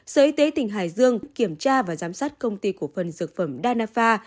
sở y tế tỉnh hải dương kiểm tra và giám sát công ty của phần dược phẩm danapha